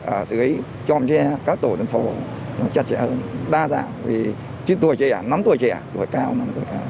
ở dưới tròm che các tổ dân phố chặt chẽ hơn đa dạng vì chứ tuổi trẻ nắm tuổi trẻ tuổi cao nắm tuổi cao